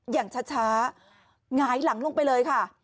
อย่างช้าหงายหลังลงไปเลยค่ะ